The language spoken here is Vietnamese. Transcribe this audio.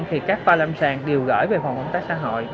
thì các pha lâm sàng đều gửi về phòng công tác xã hội